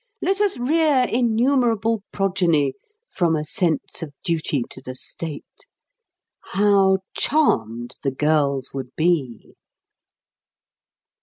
Let us rear innumerable progeny from a sense of duty to the state." How charmed the girls would be!